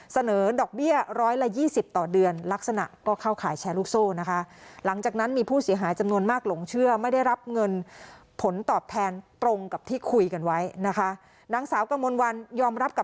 เสนอดอกเบี้ยร้อยละ๒๐ต่อเดือนลักษณะก็เข้าขายแชร์ลูกโซ่นะคะ